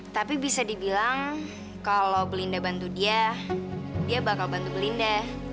tapi bisa dibilang kalau belinda bantu dia dia bakal bantu belinda